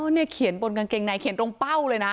เนี่ยเขียนบนกางเกงในเขียนตรงเป้าเลยนะ